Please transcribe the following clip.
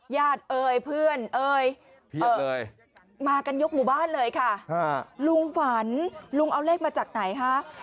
ญาติเอ่ยเพื่อนเอ่ยมากันยกหมู่บ้านเลยค่ะลุงฝันลุงเอาเลขมาจากไหนคะ